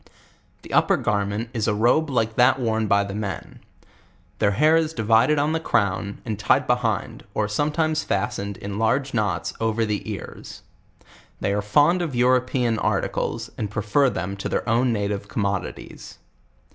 The up >er garment is a robe like that worn by the men. Their hair is divided on the crown, and tied behitul, or some times fastened in large knots over the ears. They are fund of European articles, and prefer them to their own native commodities.